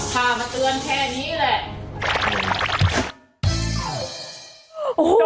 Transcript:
พามาเตือนแค่นี้แหละ